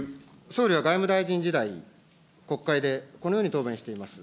総理は外務大臣時代、国会で、このように答弁しています。